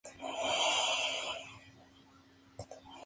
Ciertas afirmaciones de Enrico Caruso, Jr.